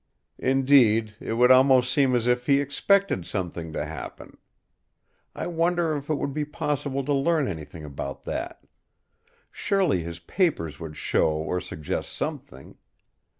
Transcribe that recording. Indeed, it would almost seem as if he expected something to happen.... I wonder if it would be possible to learn anything about that! Surely his papers would show or suggest something....